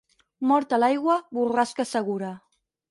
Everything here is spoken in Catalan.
Mort a l'aigua, borrasca segura.